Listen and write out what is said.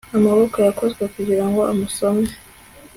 Amaboko yakozwe kugirango amusome